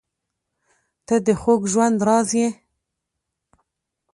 • ته د خوږ ژوند راز یې.